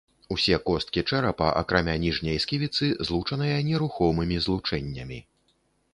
Усе косткі чэрапа, акрамя ніжняй сківіцы, злучаныя нерухомымі злучэннямі.